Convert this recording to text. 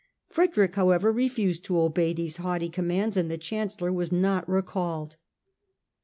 Frederick, however, refused to obey these haughty commands, and the Chancellor was not recalled.